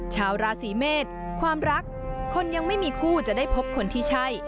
ชาวราศีเมษความรักคนยังไม่มีคู่จะได้พบคนที่ใช่